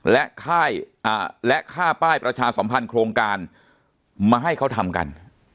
และค่าป้ายประชาสัมพันธ์โครงการมาให้เขาทำกัน